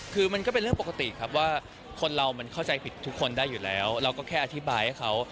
คือมันก็เป็นเรื่องปกติครับว่าคนเรามันเข้าใจผิดทุกคนได้อยู่แล้วเราก็แค่อธิบายให้เขา